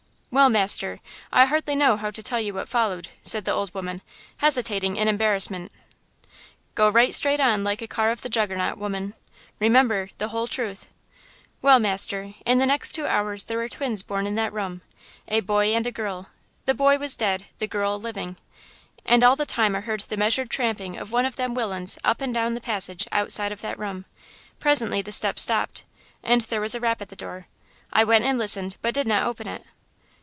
"Well, master, I hardly know how to tell you what followed," said the old woman, hesitating in embarrassment. "Go right straight on like a car of Juggernaut, woman! Remember–the whole truth!" "Well, master, in the next two hours there were twins born in that room–a boy and a girl; the boy was dead, the girl living. And all the time I heard the measured tramping of one of them willains up and down the passage outside of that room. Presently the steps stopped, and there was a rap at the door. I went and listened, but did not open it.